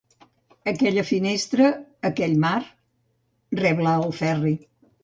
Aquella finestra, aquell mar... –rebla el Ferri.